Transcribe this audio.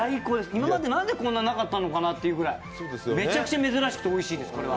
今まで何でなかったのかなというぐらい、めちゃくちゃ珍しくておいしいです。